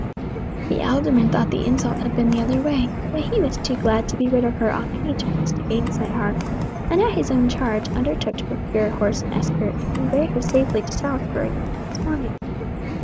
The alderman thought the insult had been the other way, but he was too glad to be rid of her on any terms to gainsay her, and at his own charge, undertook to procure horse and escort to convey her safely to Salisbury the next morning.